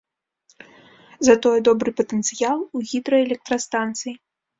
Затое добры патэнцыял у гідраэлектрастанцый.